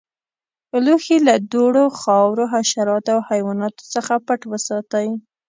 لوښي له دوړو، خاورو، حشراتو او حیواناتو څخه پټ وساتئ.